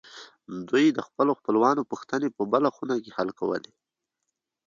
دوی د خپلو خپلوانو پوښتنې په بله خونه کې حل کولې